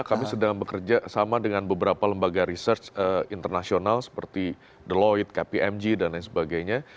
kami sedang bekerja sama dengan beberapa lembaga research internasional seperti the loid kpmg dan lain sebagainya